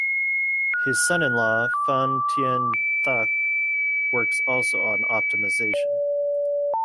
His son-in-law, Phan Thien Thach, works also on Optimization.